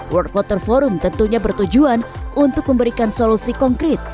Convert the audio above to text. world water forum tentunya bertujuan untuk memberikan solusi konkret